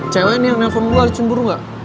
cewek nih yang nelfon lo cemburu gak